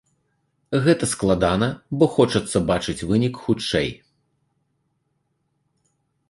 Гэта складана, бо хочацца бачыць вынік хутчэй.